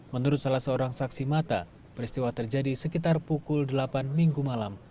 menurut salah seorang saksi mata peristiwa terjadi sekitar pukul delapan minggu malam